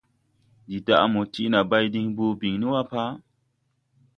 Ndi daʼ mo tiʼ bay diŋ boo biŋni wa pa?